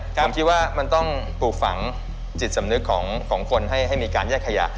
ผมคิดว่ามันต้องปลูกฝังจิตสำนึกของคนให้มีการแยกขยะ